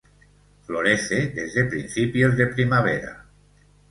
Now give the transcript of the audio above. Florece desde principios de primavera.